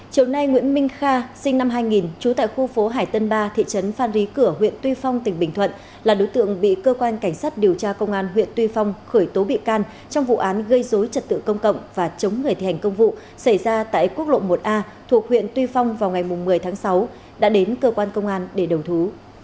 chiều nay nguyễn minh kha sinh năm hai nghìn trú tại khu phố hải tân ba thị trấn phan rí cửa huyện tuy phong tỉnh bình thuận là đối tượng bị cơ quan cảnh sát điều tra công an huyện tuy phong khởi tố bị can trong vụ án gây dối trật tự công cộng và chống người thi hành công vụ xảy ra tại quốc lộ một a thuộc huyện tuy phong vào ngày một mươi tháng sáu đã đến cơ quan công an để đầu thú